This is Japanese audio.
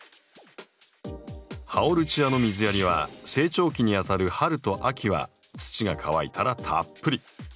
ハオルチアの水やりは成長期にあたる春と秋は土が乾いたらたっぷり。